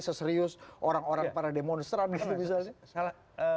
seserius orang orang para demonstran gitu misalnya